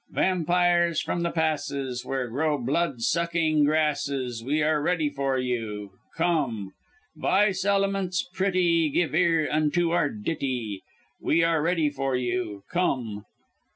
Vampires from the passes, Where grow blood sucking grasses, We are ready for you Come! Vice Elementals pretty Give ear unto our ditty We are ready for you Come!